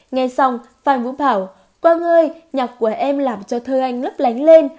nghe xong phan vũ bảo quang ơi nhạc của em làm cho thơ anh lấp lánh lên